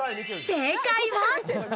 正解は。